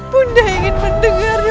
bunda ingin mendengarnya